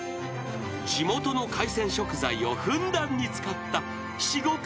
［地元の海鮮食材をふんだんに使った至極の一品］